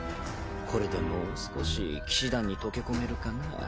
これでもう少し騎士団に溶け込めるかな。